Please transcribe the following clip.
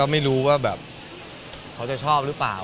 ไม่รู้ว่าแบบเขาจะชอบหรือเปล่า